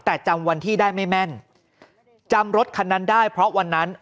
แต่จำวันที่ได้ไม่แม่นจำรถคันนั้นได้เพราะวันนั้น